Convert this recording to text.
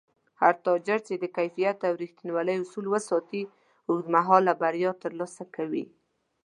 هر تاجر چې د کیفیت او رښتینولۍ اصول وساتي، اوږدمهاله بریا ترلاسه کوي